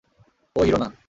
ও তো হিরো না।